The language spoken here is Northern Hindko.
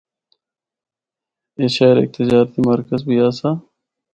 اے شہر ہک تجارتی مرکز بھی آسا۔